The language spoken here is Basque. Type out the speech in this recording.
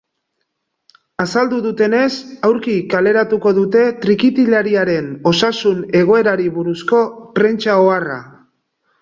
Azaldu dutenez, aurki kaleratuko dute trikitilariaren osasun egoerari buruzko prentsa-oharra.